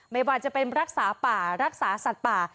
ไม่ว่าจะเป็นรักษาป่ารักษาสัตว์ป่า